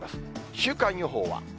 週間予報は。